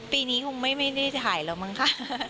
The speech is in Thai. ปีนี้คงไม่ได้ถ่ายแล้วมั้งค่ะ